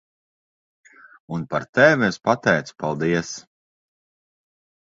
Un par tevi es pateicu paldies.